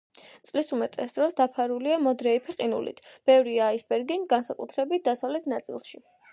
წლის უმეტეს დროს დაფარულია მოდრეიფე ყინულით, ბევრია აისბერგი, განსაკუთრებით დასავლეთ ნაწილში.